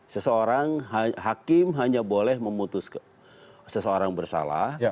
seseorang hakim hanya boleh memutus seseorang bersalah